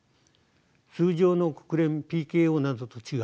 通常の国連ＰＫＯなどと違い